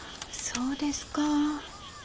そうですか。